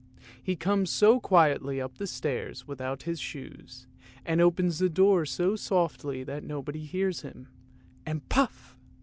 He comes so quietly up the stairs without his shoes, and opens the door so softly that nobody hears him ; and puff